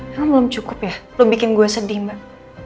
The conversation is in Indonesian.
kan belum cukup ya lo bikin gue sedih mbak